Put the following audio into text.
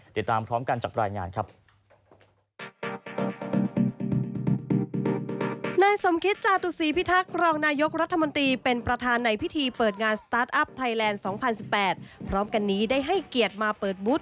ติดตามพร้อมกันจากรายงานครับ